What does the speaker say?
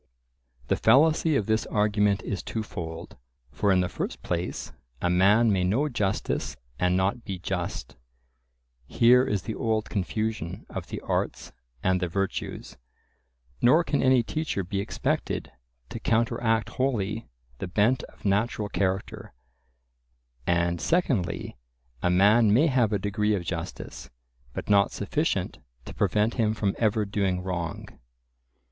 The fallacy of this argument is twofold; for in the first place, a man may know justice and not be just—here is the old confusion of the arts and the virtues;—nor can any teacher be expected to counteract wholly the bent of natural character; and secondly, a man may have a degree of justice, but not sufficient to prevent him from ever doing wrong.